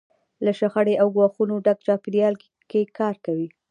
که له شخړې او ګواښونو ډک چاپېریال کې کار کوئ.